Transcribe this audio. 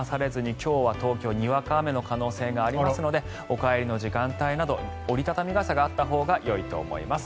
今日は東京、にわか雨の可能性がありますのでお帰りの時間帯など折り畳み傘があったほうがよいと思います。